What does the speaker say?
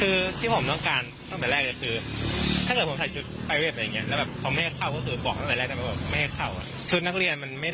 เก็คือถ้าไม่เปลี่ยน